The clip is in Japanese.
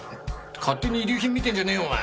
勝手に遺留品見てんじゃねえよお前。